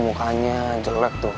mukanya jelek tuh